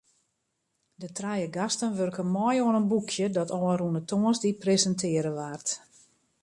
De trije gasten wurken mei oan in boekje dat ôfrûne tongersdei presintearre waard.